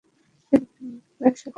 তিনি গ্লাস ফ্যাক্টরিতে চাকুরী নেন।